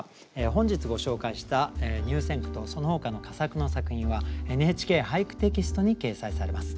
本日ご紹介した入選句とそのほかの佳作の作品は「ＮＨＫ俳句」テキストに掲載されます。